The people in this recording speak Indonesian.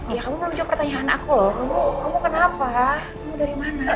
ya kamu belum jawab pertanyaan aku loh kamu kenapa kamu dari mana